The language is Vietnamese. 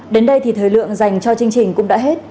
đến đây thì thời lượng dành cho chương trình cũng đã hết